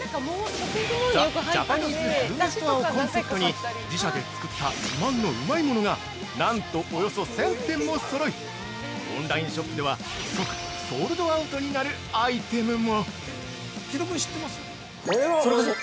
ザ・ジャパニーズ・グルメストアをコンセプトに自社で作った自慢のうまいものがなんと、およそ１０００点もそろいオンラインショップでは即ソールドアウトになるアイテムも！